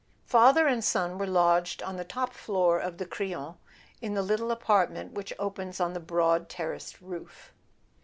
Father and son were lodged on the top floor of the Crillon, in the little apartment which opens on the broad terraced roof.